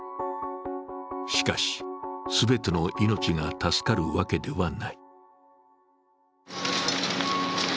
しかし、全ての命が助かるわけではない。